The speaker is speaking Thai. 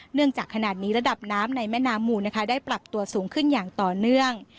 เนื่องจากขนาดนี้ระดับน้ำในแม่น้ำมูลนะคะได้ปรับตัวสูงขึ้นอย่างต่อเนื่อง